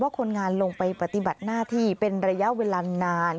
คนงานลงไปปฏิบัติหน้าที่เป็นระยะเวลานาน